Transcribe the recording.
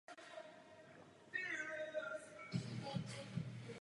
V současnosti již tento projekt není funkční.